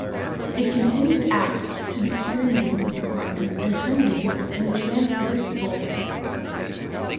It continued aft to the steering gear compartment and terminated in a transverse bulkhead.